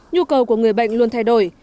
nhu cầu của người bệnh luôn thay đổi